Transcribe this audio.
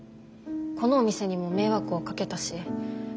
このお店にも迷惑をかけたし。